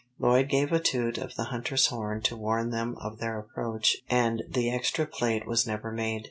Lloyd gave a toot of the hunter's horn to warn them of their approach and the extra plate was never made.